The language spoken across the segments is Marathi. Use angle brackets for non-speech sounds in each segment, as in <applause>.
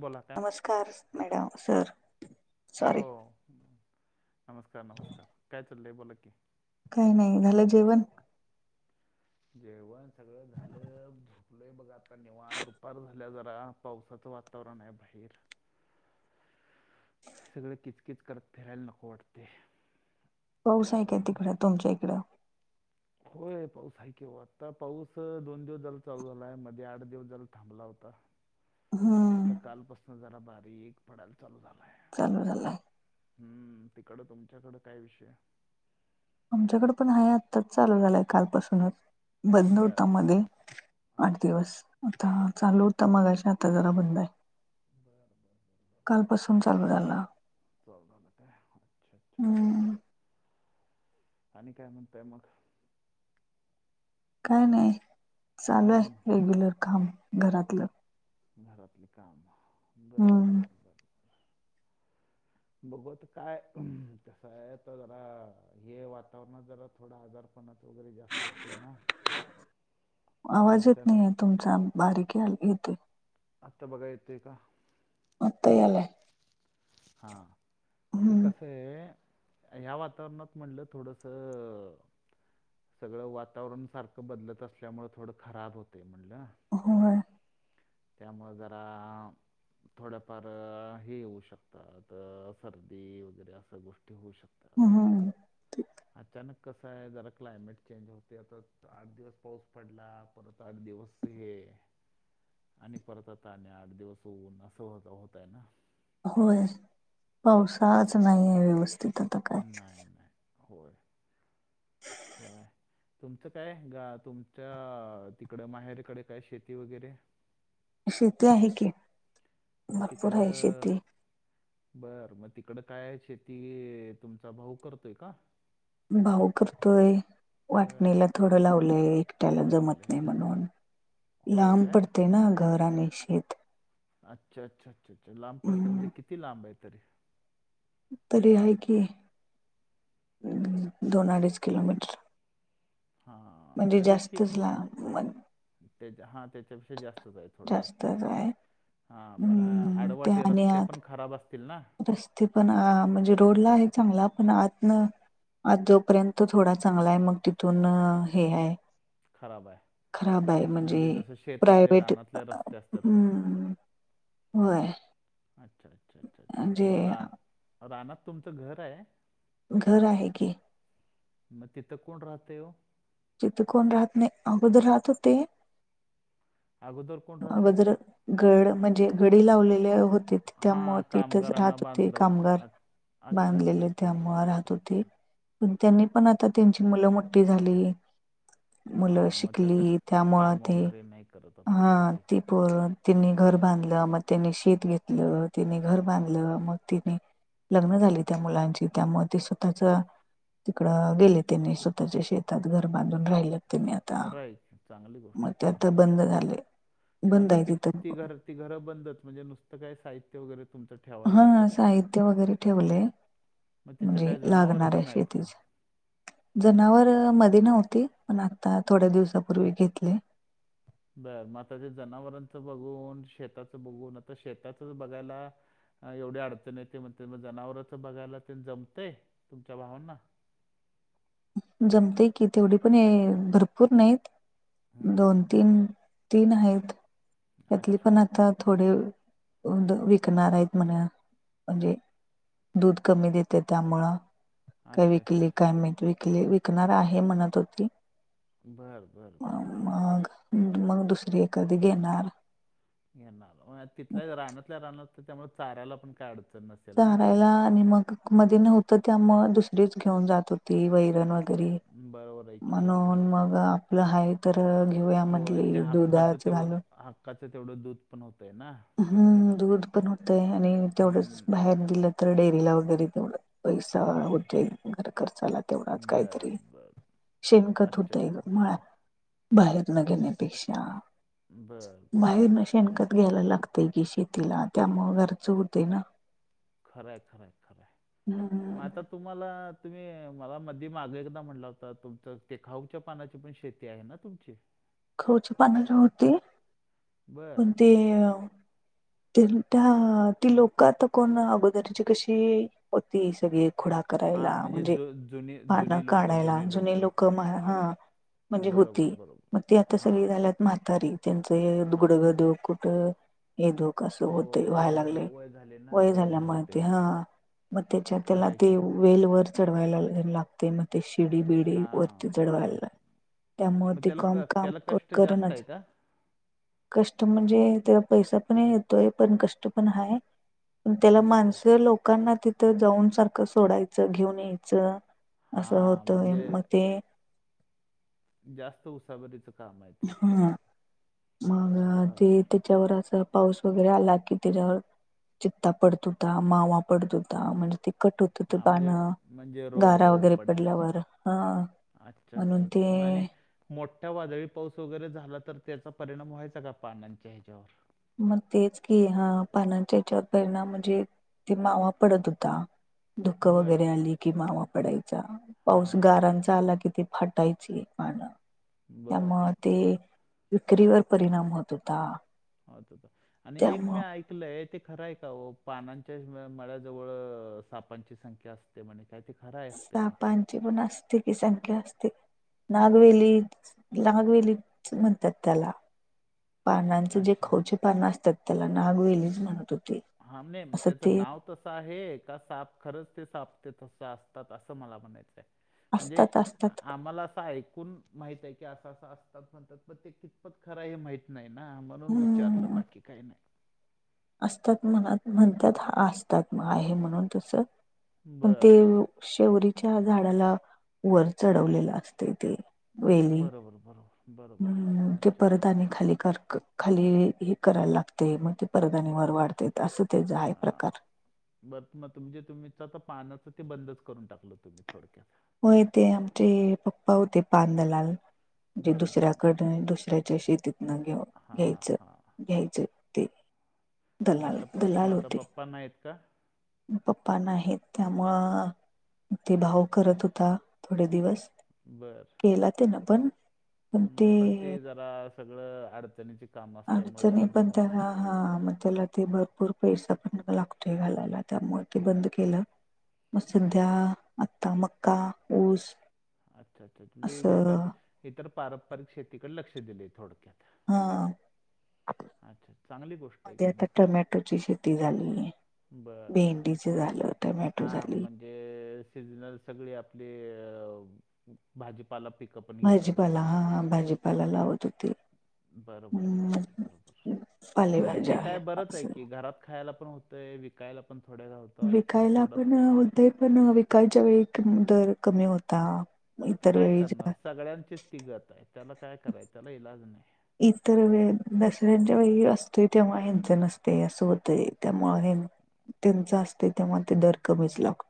बोला काय नमस्कार मॅडम, सर सॉरी हो नमस्कार, नमस्कार काय चालल बोला की काही नाही झालं जेवण? जेवण सगळं झालं य बघा आता निवांत दुपार झाल्या जरा पावसाचं वातावरण आहे बाहेर सगळें किचकीच करत फिरायला नको वाटतय पाऊस आहे का आहे तिकडं तुमच्या इकडं होय पाऊस हाय की ओ आता पाऊस दोन दिवस झाला चालू झालाय मध्ये आठ दिवस जरा झाला थांबला होता ह आता कालपासून जरा बारी एक पडाल चालू झाला आहे चालू झालाय हम्म तिकडं तुमच्याकडें काय विषय आमच्याकड पण आहे आत्ताच चालू झालंय कालपासूनच बंद होता मध्ये आठ दिवस आता चालू होता मगाशी आता जरा बंद आहे बर बर कालपसून चालू झाला आता काय हम् आणि काय म्हणतय मग काय नाही चालू आहे रेग्युलर काम घरातलं घरातले काम बरं, हम्म बरं, बरं बघूत काय कस आहे तर जरा हे वातावरणात जरा थोडा आजार कोणच वगैरे जास्त होते ना आवाज येत नाही आहे तुमचा बारीक याय येतोय आता बघा येतोय का आता यायलय हां ते हम्म कसं आहे ह्या वातावरणात म्हटलं थोडंसं सगळं वातावरण सारखं बदलत असल्यामुळे थोडं खराब होते म्हणलं होय त्यामुळ जरा थोड्याफार हे होऊ शकतात सर्दी वगैरे असं गोष्टी होऊ शकतात ह हा. अचानक कस आहे जरा. क्लायमेट चेंज होते आता आठ दिवस पाऊस पडला परत आठ दिवस हे आणि परत आता आठ दिवस होऊन असं हो होतय ना. होय पावसाच नाही आहे व्यवस्थित आता. काय नाही नाही होय खर हाय. तुमचं काय ग तुमच्या तिकड माहेरकडे काय शेती वगैरे. शेती आहे की भरपूर आहे शेती. बर मग तिकड काय शेती तुमचा भाऊ करतोय का? भाऊ करतोय. वाटणीला थोडं लावलंय एकट्याला जमत नाही म्हणून. लांब पड़ते न घर आणि शेेत. अच्छा अच्छ अच्छा अच्छा लांब पड़तय म्हणजे किती लांब आहे तरी? तरी आहे कि दोन अडीच किलोमीटर. म्हणजे जास्तच लांब आहे. त्याच्या हा त्याच्यापेक्षा जास्तच आहे. थोडं अच्छा जास्तच आहे हा पण हम्म ते आडवाटी आणि रस्ते आत पण खराब असतील ना? रस्ते पण म्हणजे रोडला आहे चांगला पण आतन आजोपर्यंत थोडा चांगला आहे मग तिथून हे आहे. खराब आहे. खराब आहे म्हणजे प्रायवट हम् होय. अच्छा अच्छा अच्छा अच्छा म्हणजे मग रा राणात तुमचं घर आहे?? घर आहे की. मग तिथं कोण राहत हो. जिथे कोण राहत नाही अगोदर राहत होते. अगोदर अगदर गड म्हणजे गडी लावलेले हो त्यामु तिथंच राहत होते कामगार बांधलेले त्यामुळे राहत होते. पण त्यांनी पण आता त्यांची मुलं मोठी झाली‌. हा मग त्या आता त्यामुळं काम वगैरे नाही करत होता बहुतेक. त प तिनी घर बांधलं मग त्यांनी शेत घेतलं तिनी घर बांधलं मग तिनी. लग्न झाली त्या मुलांची त्यामुळे ते स्वतःच. तिकडं गेले त्यांनी स्वतःच्या शेतात घर बांधून राहिलं. त्याने आता मग ते आता बंद झाले. म बंद आता आहे त ती तिथं ती घरं बंदच म्हणजे नुसतं काय साहित्य वगैरे तुमच. हा साहित्य वगैरे ठेवलंय म्हणजे लागणार आहे शेतीच. जनावर मध्ये नव्हती पण आता थोड्या दिवसापूर्वी घेतले. बरं मग आताच्या जनावरांचं बघून शेताचं बघून आता शेताचं बघायला. एवढ्या अडचण येते ते म्हणते मग जनावरचं बघायला ते जमते तुमच्या भावांना. जमतेय की तेवढी पण भरपूर नाहीत दोन. तीन तीन आहेत त्यातली पण आता थोडे. उ विकणार आहेत म्हणा म्हणजे दूध कमी देते त्यामुळं. काय विकली काय मी विकली विकणार आहे म्हणत होती. बरं बरं बरं. मग मग दुसरी एखादी घेणार. या ना तिल्या रानातल्या रानात त्यामुळे चाऱाला पण काय अडचण नसते. चारायला आणि मग मध्ये नव्हतं त्यामुळे दुसरीच घेऊन जात होती वैरण वगैरे. म्हणून मग आपलं हाय तर घेऊया म्हटली दुधाच घालून. काच तेवढं दूध पण होतं आहे ना. हम्म दूध पण होतं आणि तेवढंच बाहेर दिलं तर डेअरीला वगैरे तेवढं. पैसा होत घर खर्चाला तेवढाच काहीतरी शेमकत होतय. म बाहेर न घेण्यापेक्षा बाहेर ना शेणकत घ्यायला लागतेय कि शेतीला त्यामुळं घरच उरते ना. खरं खरे खरं मग हम्म. आता तुम्हाला तुम्ही मला मध्ये माग एकदा म्हटला होता तुमच तेखाऊच्या पानाची पण शेती आहे ना तुमचे. खवची पानाची होती. बर पण ते त्या ती लोकता कोण अगोदरची कशी होती सगळी खुडक करायला म्हणजे पानं काढायला जुने लोक ह म्हणजे होती. मग तेी आता सगळी झाल्यात म्हारातारी त्यांचं हे दुघडगधो कुठं हे दो व्हाय लाग वय झाल्या ह मग त्याच्या त्याला ते वेल वर चढवायला लागते मग ते शिडी बिडी वरती चढवायला. त्यामुळे ते काम काम करणच कष्ट म्हणजे त्याला पैसा पण येतोय पण कष्ट पण आहय. पण त्याला माणस लोकांना तिथं जाऊन सारखं सोडायचं घेऊन यायचं. असं होतय मग ते जास्त उसाबरीचं काम आहे ते. ह मग ते त्याच्यावर असं पाऊस वगैरे आला कि त्याच्यावर चित्ता पडत होता मावा पडत होता म्हणजे ते कट होत हो ते पाण गारा वगैरे पडल्यावर हा म्हणून ते मोठ्या वादळी पाऊस वगैरे झाला तर त्याचा परिणाम व्हायचा का पानांच्या ह्याच्यावर मग तेच की हा पानांच्या जतभरणा म्हणजे ते मावा पडत होता. धुक वगैरे आली कि मावा पडायचा पाऊस गारांचा. जाला किती फटायची आणि त्यामुळे ते विक्रीवर परिणाम होत होता. हो आणि एक मी त्यामुळं ऐक ते खरं आहे का पानांच्या मळ्या जवळ सापांची संख्या असते म्हणे. काय ते खरांय असतें का? जी पण असते की संख्या असते. नागवेली नागवेली म्हणतात त्याला. पानांच जे खवचे पानं असतात त्याला नागवेलीच म्हणत होते असं ते. तसं आहे का साप खरंच ते साप ते तस असतात असं मला म्हणायचंय? म्हणजे असतात असतात आम्हाला असं ऐकून माहित आहे की असं असं असतात म्हणतात पण ते कितपत खरं हे माहित नाही ना म्हणून विचारलं हम्म बाकी काय नाही. असतात म्हणत म्हणतात असतात मग आहे म्हणून तस पण ते शेवीच्या झाडाला वर चढवलेलं असते ते. वेली अम् ते परत आणि खाली कर्क खाली हे करायला लागते मग ते परदानी वर वाढते असं तेच आहे प्रकार. म मग तजे तुम्हीच आता पानाचं ते बंदच करून टाकलं तुम्ही थोडक्यात. हो य तेे आमचे पप्पा होते पांदलाल. म्हणजे दुसऱ्याकड दुसऱ्याच्या शेतीतन घेऊ घ्यायचं. घ्यायचे ते दलाल दलाल होते. पना आहेतत का. पप्पा नाही आहेत त्यामुळं. ते भाव करत होता थोडे दिवस केला ते ना पण. हम् पण ते जरा सगळं अडचणीची कामं असल्यामुळे अडचणी जरा पण जमत नाही. त्याला हा मग त्याला ते भरपूर पैसा पण लागतोय घालायला त्यामुळे ते बंद केलं. म सध्या आता मका ऊस अच्छा अच्छा म्हुजे असं इतर इतर पारंपरिक शेतीकडे लक्ष दिले थोडक्यात. हा मध्ये आता टमॅटोची शेती. झाली भेडीच झालं टोमॅटो झाली. <unintelligible> पला पिकअप भाजीपाला हा भाजीपाला लावत होती. बरोबर बरोबर बरोबर म ते पालेभाज्या काय बरंच आहे असं की घरात. खायला पण होतय विकायला पण थोड्याा होत. विकायला पण होते पण विकायच्या वेळी दर कमी होता. मता इतर काय वेळी करणार जा- सगळ्यांचीच तिगत आहे त्याला काय कराय त्याला इलाज नाही. इतर वे दसऱ्यांच्या वेळी असते तेव्हा हंच नसते असं होतं त्यामुळे हे त्यांच असते तेव्हा ते दर कमीच लागतो.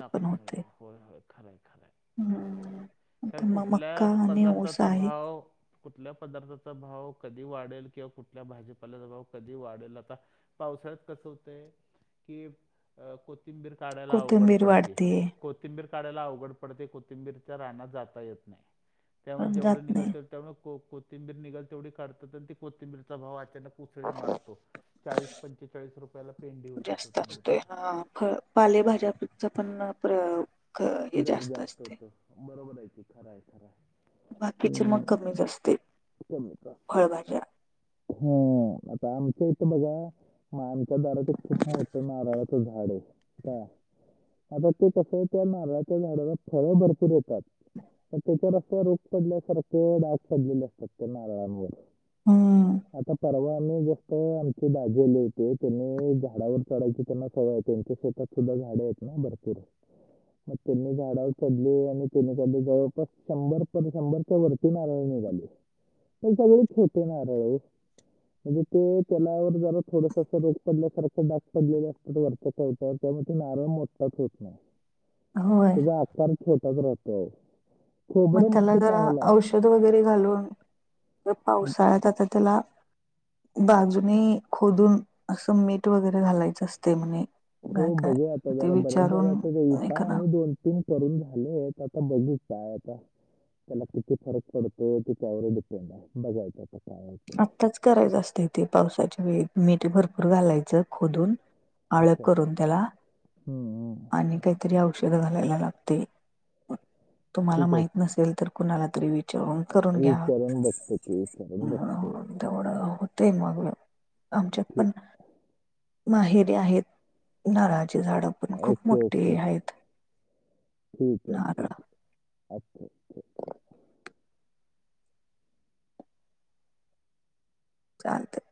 लपत हो होय खरे खरे खरं. हम्म. कार आता मग मक्का कुठल्या आणि ऊस पदार्थाचा आहे भाव कुठल्या पदार्थाचा भाव कधी वाढेल किंवा कुठल्या भाजीपाल्याचा भाव कधी वाढेल आता. पावसाळ्यात कसं होतंय की अ तिंबीर काढायला अवघड कोथिंबीर पडते. वाढते कोथिंबीर काढाला अवघड पडते कोथिंबीरच्या राहण्यात जाता येत नाही. त्यामुळे पण जेवढं जात निघाल नाही. त्यामुळे कोथिंबीर निघाल तेवढी काढतात आणि ती कोथिंबीरचा भाव अचानक. पुसळी मारतो चाळीस पंचेचाळीस रुपयाला पेंढ होती जास्त असतोय कोथिंबिरीची. हा ख. पालेभाज्या पण प्र क- हे दर जास्त असते. होत बरोबरयचे खरांय खरांय. बाकीचे मग कमीच असते. फळभाज्या. हा आता आमच्या इथ बघा. माणच्या दराच खूप मोठं नारळाचं झाड आहे काय. आता ते कसं त्या नारळाच्या झाडाला फळें भरपूर देतात. मग त्याच्यावर अस रोग पडल्यासारखे डाग पडलेले असतात त्या नारळांवर. हम. आता परवा आम्ही जास्त आमचे दाजेले होते त्यांनी झाडावर चढायची त्यांना सवय त्यांच्या स्वतत. सुुद्धा झाड्या आहेत ना भरपूर. मग त्यांनी झाडावर चडले आणि त्यांनी जवळपास शंभर कमी शंभर च्या वरती नारळ निघाली तर सगळे छोटे नारळ ओ. म्हणजे ते त्याला वर जरा थोडस अस रोग पडल्यासारखं डाग पडलेले असतात वरच्या साईड तर त्यामुळे ते नारळ मोठंच होत नाही. <inaudible> त्याचा आकार छोटाच राहतो मग खोबरं त्याला मस्त जरा चांगल आहे. औषध वगैरे घालून या पावसाळ्यात आता त्याला बाजूने खोदून असं मीठ वगैरे घालायचं असतय म्हणे. हो काय काय बघूया आता ते जरा बऱ्याच जरा विचारून आता उपाय एखादा आम्ही दोन ते करून झालंयत आता बघू काय आता. त्याला किती फरक पडतो ते त्यावर डिपेंड आहे बघायचं आता. काय होतं आत्ताच करायचं असतंय ते पावसाच्या वेळी मीठ भरपूर घालायचं खोदून. अळख अच्छा करून त्याला हम्म, हम्म. आणि काईतरी औषध घालायला लागते, तुम्हाला ठीक आहे माहित नसेल तर कुणाला तरी वि विचारून बघतो की, विचारून बघतो. तेवढं होतय मग, आमच्यात पण माहेरीे आहेत, नारळाची झाड. ओके-ओके, ठीक आहे, नारळ ठीक ये, अच्छा-अच्छा. चालतंय.